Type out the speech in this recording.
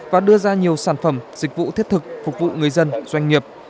và đưa ra nhiều sản phẩm dịch vụ thiết thực phục vụ người dân doanh nghiệp